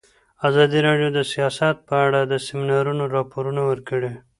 ازادي راډیو د سیاست په اړه د سیمینارونو راپورونه ورکړي.